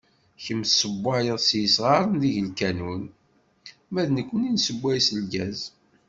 Kemm tessewwayeḍ s yisɣaren deg lkanun ma d nekni nessewway s lgaz.